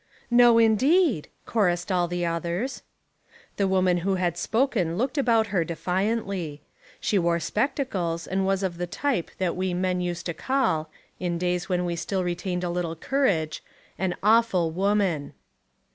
"No, indeed," chorused all the others. The woman who had spoken looked about her defiantly. She wore spectacles and was of the type that we men used to call, in days when we still retained a little courage, an Awful Woman.